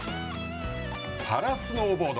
パラスノーボード。